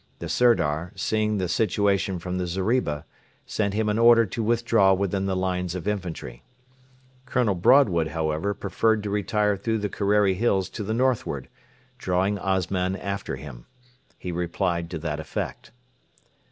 The Sirdar, seeing the situation from the zeriba, sent him an order to withdraw within the lines of infantry. Colonel Broadwood, however, preferred to retire through the Kerreri Hills to the northward, drawing Osman after him. He replied to that effect.